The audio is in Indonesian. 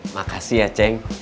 makasih ya ceng